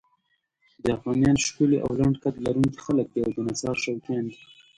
جاپانیان ښکلي او لنډ قد لرونکي خلک دي او د نڅا شوقیان دي.